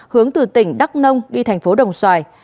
hướng từ tỉnh đắk nông đi thành phố đồng xoài